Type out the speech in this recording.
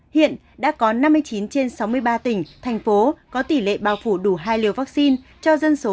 hiện đã có năm mươi chín trên sáu mươi ba tỉnh thành phố có tỷ lệ bao phủ đủ hai liều vaccine cho dân số